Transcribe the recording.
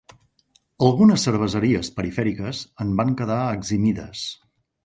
Algunes cerveseries perifèriques en van quedar eximides.